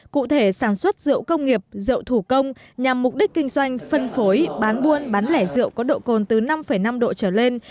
cụ thể sản xuất rượu công nghiệp rượu thủ công nhằm mục đích kinh doanh phân phối bán buôn bán lẻ rượu có độ cồn từ năm năm độ trở lên